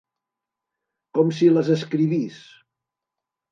Com si les escrivís.